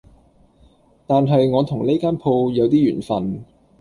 但係我同呢間鋪有啲緣份